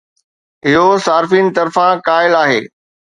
اهو صارفين طرفان قائل آهي